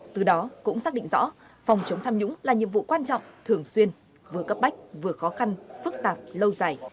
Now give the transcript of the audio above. từ đó cũng xác định rõ phòng chống tham nhũng là nhiệm vụ quan trọng thường xuyên vừa cấp bách vừa khó khăn phức tạp lâu dài